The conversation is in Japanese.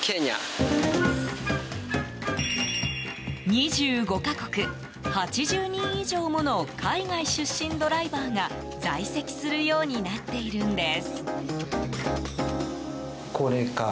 ２５か国、８０人以上もの海外出身ドライバーが在籍するようになっているんです。